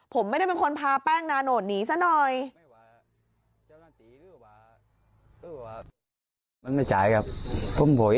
ผมไม่ได้เป็นคนพาแป้งนาโนดหนีซะหน่อย